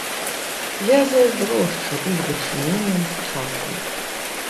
Я зайздрошчу іх дачыненням з часам.